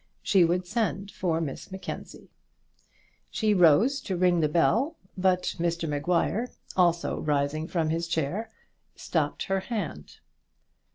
She would send for Miss Mackenzie. She rose to ring the bell, but Mr Maguire, also rising from his chair, stopped her hand.